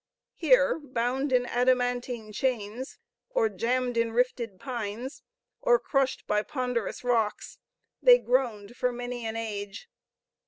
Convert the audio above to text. Here, bound in adamantine chains, or jammed in rifted pines, or crushed by ponderous rocks, they groaned for many an age.